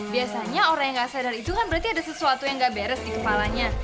biasanya orang yang gak sadar itu kan berarti ada sesuatu yang gak beres di kepalanya